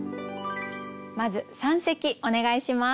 まず三席お願いします。